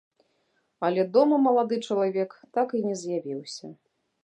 Але дома малады чалавек так і не з'явіўся.